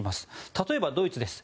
例えばドイツです。